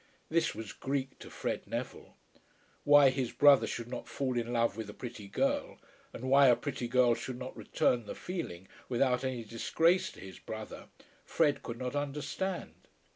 This was Greek to Fred Neville. Why his brother should not fall in love with a pretty girl, and why a pretty girl should not return the feeling, without any disgrace to his brother, Fred could not understand.